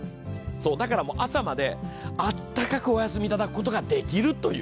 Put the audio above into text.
だから朝まであったかくおやすみいただくことができる。